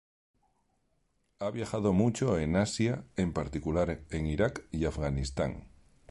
Ha viajado mucho en Asia, en particular en Iraq y Afganistán.